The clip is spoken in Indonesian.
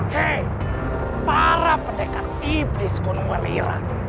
hei para pendekat iblis kunung melirat